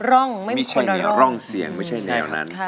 ร่องไม่มีคนร้องร่องเสียงไม่ใช่แนวนั้น